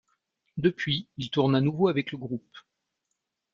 Depuis, il tourne à nouveau avec le groupe.